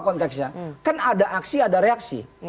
konteksnya kan ada aksi ada reaksi